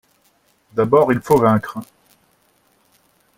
D'abord il faut vaincre!